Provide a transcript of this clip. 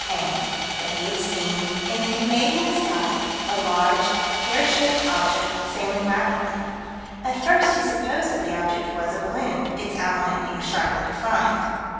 Payne: that he had seen, in the Canadian sky, a large, pear shaped object, sailing rapidly. At first he supposed that the object was a balloon, "its outline being sharply defined."